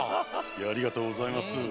ありがとうございます。